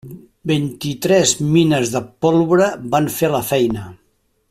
Vint-i-tres mines de pólvora van fer la feina.